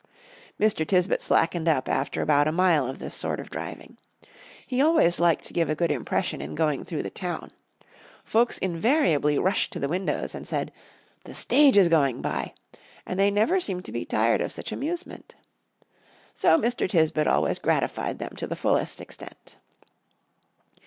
Mr. Tisbett slackened up after about a mile of this sort of driving. He always liked to give a good impression in going through the town. Folks invariably rushed to the windows, and said, "The stage is going by," and they never seemed to be tired of such amusement. So Mr. Tisbett always gratified them to the fullest extent.